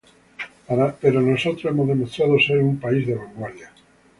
Pero nosotros hemos demostrado ser un país de vanguardia.